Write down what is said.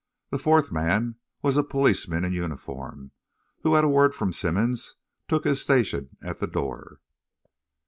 The fourth man was a policeman in uniform, who, at a word from Simmonds, took his station at the door.